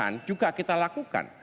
yang juga kita lakukan